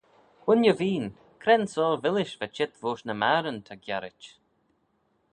Wooinney veen cre'n soar villish va çheet voish ny magheryn ta giarrit.